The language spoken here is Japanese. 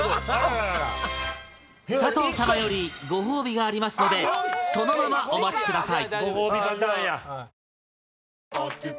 佐藤様よりご褒美がありますのでそのままお待ちください。